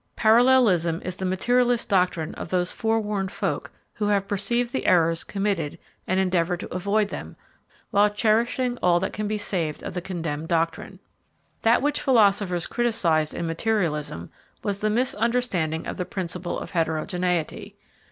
Parallelism is the materialist doctrine of those forewarned folk, who have perceived the errors committed and endeavour to avoid them, while cherishing all that can be saved of the condemned doctrine. That which philosophers criticised in materialism was the misunderstanding of the principle of heterogeneity.